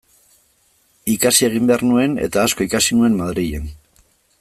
Ikasi egin behar nuen, eta asko ikasi nuen Madrilen.